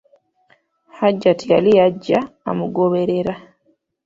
Hajjati yali ajja amugoberera.